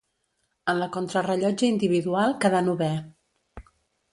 En la contrarellotge individual quedà novè.